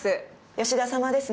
吉田さまですね。